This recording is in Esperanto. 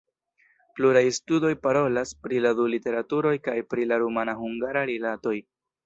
Pluraj studoj parolas pri la du literaturoj kaj pri la rumana-hungara rilatoj.